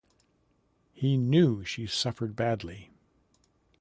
He knew she suffered badly.